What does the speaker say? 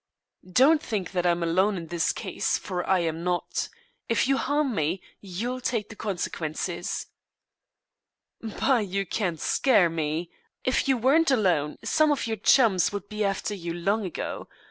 "Don't think that I am alone on this case, for I am not. If you harm me, you'll take the consequences." "Bah! You can't scare me! I'm not a baby. If you weren't alone, some of your chums would be after you long ago.